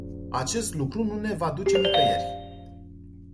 Acest lucru nu ne va duce nicăieri.